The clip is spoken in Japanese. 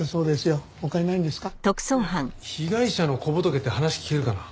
ねえ被害者の小仏って話聞けるかな？